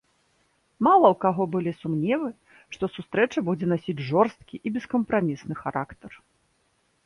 Мала ў каго былі сумневы, што сустрэча будзе насіць жорсткі і бескампрамісны характар.